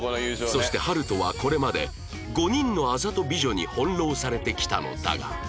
そして晴翔はこれまで５人のあざと美女に翻弄されてきたのだが